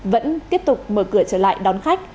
vẫn tiếp tục mở cửa trở lại đón khách